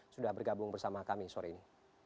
sudah bergabung bersama kami sore ini